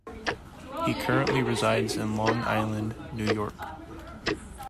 He currently resides in Long Island, New York.